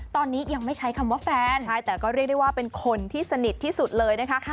ตอนนี้ยังไม่ใช้คำว่าแฟนใช่แต่ก็เรียกได้ว่าเป็นคนที่สนิทที่สุดเลยนะคะ